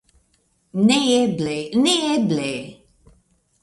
Neeble, neeble!